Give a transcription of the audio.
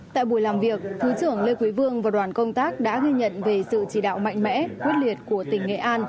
tại buổi làm việc thứ trưởng lê quý vương và đoàn công tác đã ghi nhận về sự chỉ đạo mạnh mẽ quyết liệt của tỉnh nghệ an